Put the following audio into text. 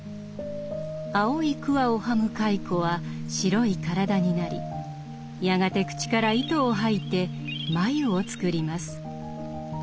青い桑をはむ蚕は白い体になりやがて口から糸を吐いて繭を作ります。